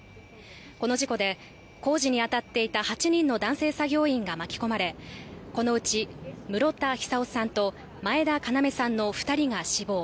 この事故で、工事にあたっていた８人の男性作業員が巻き込まれ、このうち室田久生さんと、前田要さんの２人が死亡。